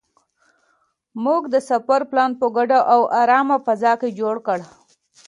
موږ د سفر پلان په ګډه او ارامه فضا کې جوړ کړ.